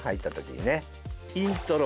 イントロ